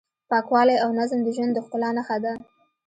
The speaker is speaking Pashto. پاکوالی او نظم د ژوند د ښکلا نښه ده.